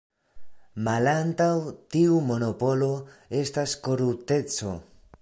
Malantaŭ tiu monopolo estas korupteco.